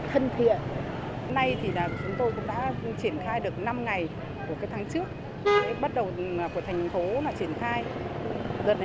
thành viên trong hội đưa bà hà tranh nóng như này là rất cần thiết